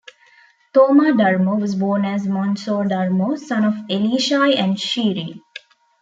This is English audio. Thoma Darmo was born as Mansour Darmo, son of Elishai and Shirine.